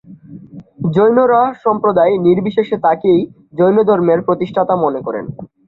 জৈনরা সম্প্রদায়-নির্বিশেষে তাকেই জৈনধর্মের প্রতিষ্ঠাতা মনে করেন।